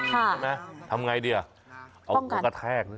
ใช่ไหมทำไงดีอะเอากระแทก